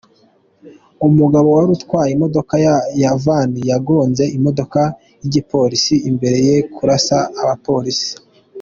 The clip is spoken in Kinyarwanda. Umugabo warutwaye imodoka ya van yagonze imodoka y'igipolisi mbere yo kurasa abapolisi.